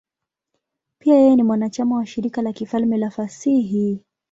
Pia yeye ni mwanachama wa Shirika la Kifalme la Fasihi.